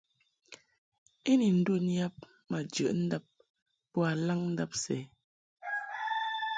I ni ndun yab ma jəʼ ndab boa laŋndab sɛ.